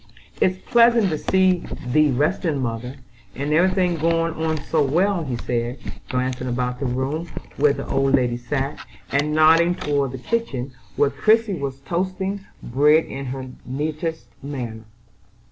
"It's pleasant to see thee resting, mother, and every thing going on so well," he said, glancing about the room, where the old lady sat, and nodding toward the kitchen, where Christie was toasting bread in her neatest manner.